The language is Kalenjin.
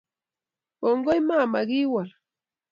Kongoi mama, kiwol